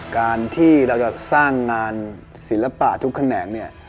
การที่เราจะสร้างงานศิลปะทุกแขนงเนี่ย